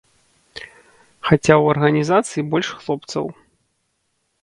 Хаця ў арганізацыі больш хлопцаў.